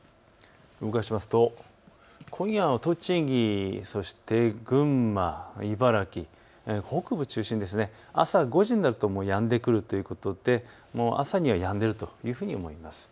動かしますと今夜は栃木、そして群馬、茨城、北部中心に朝５時になるともうやんでくるということで、朝にはやんでいるというふうに見られます。